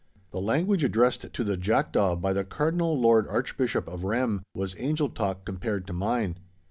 The language addressed to the jackdaw by the Cardinal Lord Archbishop of Rheims was angel talk compared to mine.